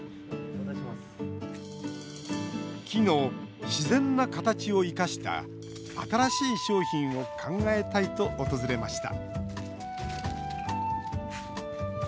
木の自然な形を生かした新しい商品を考えたいと訪れました